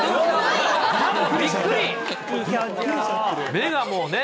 目が、もうね。